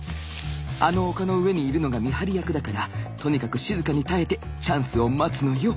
あの丘の上にいるのが見張り役だからとにかく静かに耐えてチャンスを待つのよ。